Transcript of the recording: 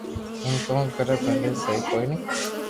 ايم ڪون ڪري ڪر ڀلي سھي ڪوئي ني